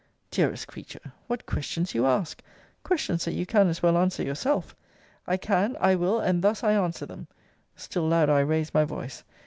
Dearest creature! what questions you ask! Questions that you can as well answer yourself I can, I will, and thus I answer them Still louder I raised my voice.